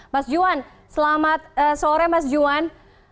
mas juwan selamat sore mas juwan